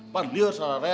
panju soal raya